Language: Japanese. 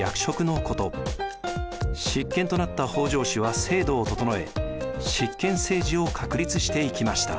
執権となった北条氏は制度を整え執権政治を確立していきました。